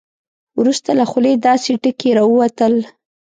وروسته له خولې داسې ټکي راووتل.